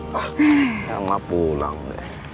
saya mau pulang deh